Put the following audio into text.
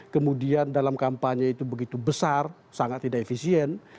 kemudian dalam kampanye itu begitu besar sangat tidak efisien